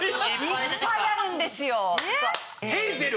いっぱいあるんですよ！